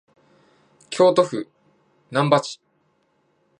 京都府南丹市